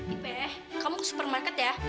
ipe kamu ke supermarket ya